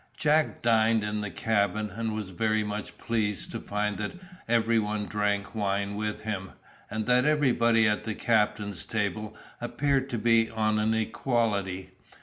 Jack dined in the cabin, and was very much pleased to find that every one drank wine with him, and that everybody at the captain's table appeared to be on an equality.